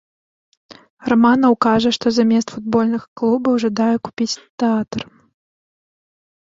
Раманаў кажа, што замест футбольных клубаў жадае купіць тэатр.